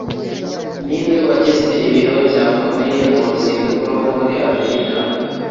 Ninde Wagize Ibihe Byakomeye Muruzinduko rwo muri America